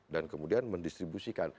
dan kemudian mendistribusikan